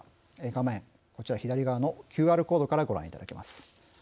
画面こちら左側のＱＲコードからご覧いただけます。